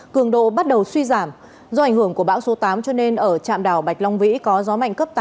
cường độ bắt đầu suy giảm do ảnh hưởng của bão số tám cho nên ở trạm đảo bạch long vĩ có gió mạnh cấp tám